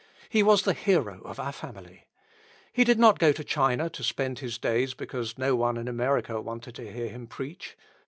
He was the hero of our family. He did not go to China to spend his days because no one in America wanted to hear him preach.